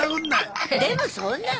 でもそんな。